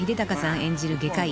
演じる外科医